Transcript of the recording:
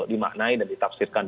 dimaknai dan ditafsirkan